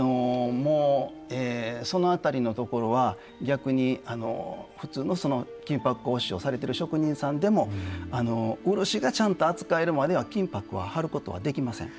もうその辺りのところは逆に普通の金箔押しをされてる職人さんでも漆がちゃんと扱えるまでは金箔は貼ることはできません。